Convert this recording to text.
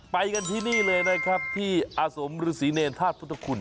ไปกันที่นี่เลยนะครับที่อาสมฤษีเนรธาตุพุทธคุณ